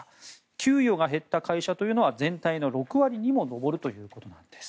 給与が減った会社というのは全体の６割にも上るということです。